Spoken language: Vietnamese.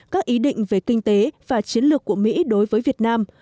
các ý định về kinh tế và chiến lược của mỹ đối với việt nam